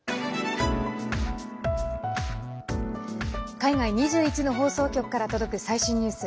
海外２１の放送局から届く最新ニュース。